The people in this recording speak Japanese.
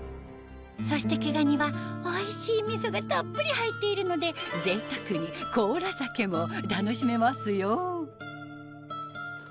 そして毛ガニはおいしいみそがたっぷり入っているのでぜいたくに甲羅酒も楽しめますよ！